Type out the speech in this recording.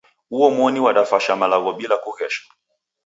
Uomoni wadafasha malagho bila kughesha